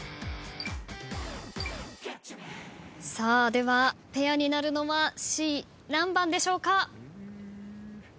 ではペアになるのはＣ何番でしょうか？